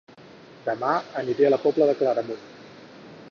Dema aniré a La Pobla de Claramunt